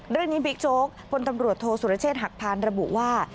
เรื่องนี้พิกโชคผลตำรวจโทษสุรเชษฐ์หักพานระบุว่า